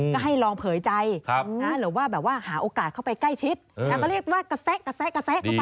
ก็ให้ลองเผยใจหรือว่าหาโอกาสเข้าไปใกล้ชิดแล้วก็เรียกว่ากาแซ๊กไป